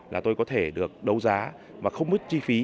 là tôi có thể được đấu giá mà không mất chi phí